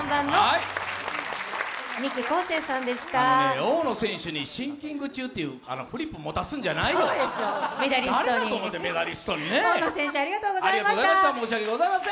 大野選手にシンキング中っていうフリップ持たすんじゃないよ。